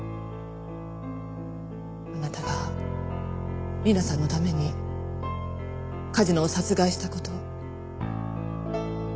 あなたが理奈さんのために梶野を殺害した事。